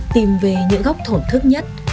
tìm về những góc thổn thức nhất